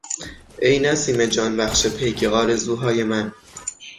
ای نسیم جانبخش پیک آرزوهای من